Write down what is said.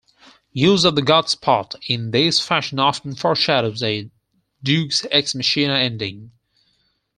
Use of the godspot in this fashion often foreshadows a deus ex machina ending.